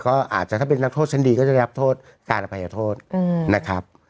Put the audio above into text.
ก็อาจจะถ้าเป็นนักโทษชั้นดีก็จะได้รับโทษการอภัยโทษนะครับ